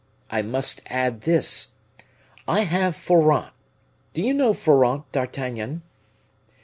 I must add this: I have Forant do you know Forant, D'Artagnan?"